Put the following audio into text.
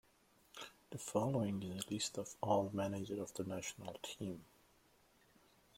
The following is a list of all managers of the national team.